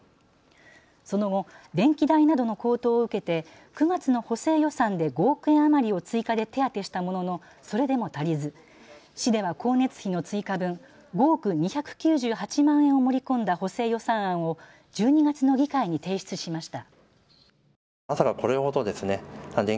その後、電気代などの高騰を受けて９月の補正予算で５億円余りを追加で手当したものの、それでも足りず市では光熱費の追加分５億２９８万円を盛り込んだ補正予算案を１２月の議会に提出しました。